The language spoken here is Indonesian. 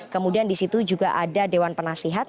kemudian disitu juga ada dewan penasihat